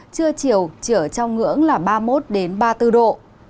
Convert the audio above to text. trưa chiều chỉ ở trong ngưỡng là ba mươi một ba mươi bốn độ